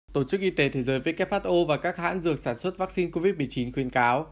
tổ chức y tế thế giới who và các hãng dược sản xuất vaccine covid một mươi chín khuyên cáo